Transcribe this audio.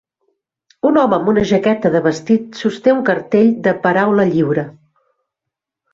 Un home amb una jaqueta de vestit sosté un cartell de "paraula lliure".